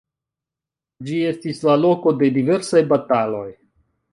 Ĝi estis la loko de diversaj bataloj.